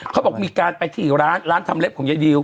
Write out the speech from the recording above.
เขาบอกมีการไปที่ร้านร้านทำเล็บของยายดิว